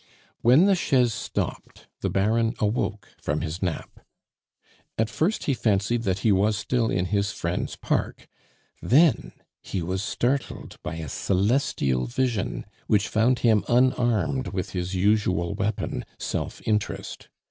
When the chaise stopped, the Baron awoke from his nap. At first he fancied that he was still in his friend's park; then he was startled by a celestial vision, which found him unarmed with his usual weapon self interest.